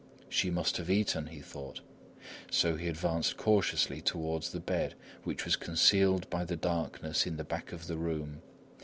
"She must have eaten," he thought; so he advanced cautiously towards the bed which was concealed by the darkness in the back of the room.